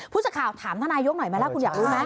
ผู้สักข่าวถามธนายกหน่อยมาแล้วคุณอยากรู้ไหม